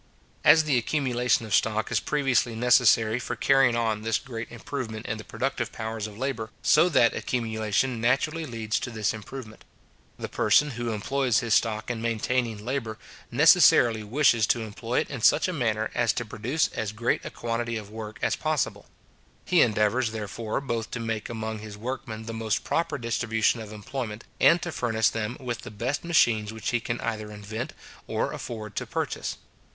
As the accumulation of stock is previously necessary for carrying on this great improvement in the productive powers of labour, so that accumulation naturally leads to this improvement. The person who employs his stock in maintaining labour, necessarily wishes to employ it in such a manner as to produce as great a quantity of work as possible. He endeavours, therefore, both to make among his workmen the most proper distribution of employment, and to furnish them with the best machines which he can either invent or afford to purchase.